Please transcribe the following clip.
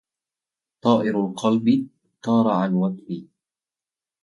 طائر القلب طار عن وكري